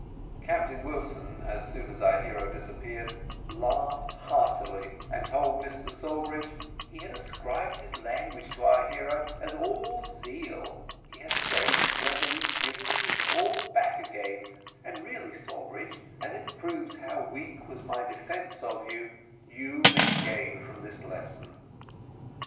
Captain Wilson, as soon as our hero disappeared, laughed heartily, and told Mr Sawbridge "he had ascribed his language to our hero as all zeal. He has very cleverly given me it all back again; and really, Sawbridge, as it proves how weak was my defence of you, you may gain from this lesson."